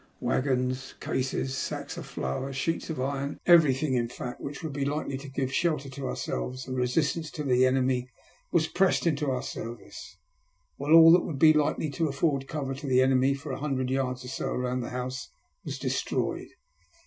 Waggons, cases, sacks of flour, sheets of iron — everything, in fact, which would be likely to give shelter to ourselves and 368 THE LUST 07 HATB. resistance to the enemy was pressed Into our ser vice, while all that would be likelj to afford cover to the enemy for a hundred yards or so round the house was destroyed.